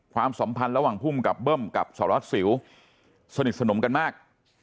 ความสัมพันธ์ระหว่างภูมิกับเบิ้มกับสารวัตรสิวสนิทสนมกันมาก